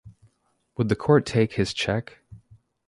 Would the court take his check?